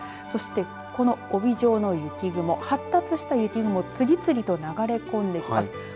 そして、この帯状の雪雲、発達した雪雲次々と流れ込んできます。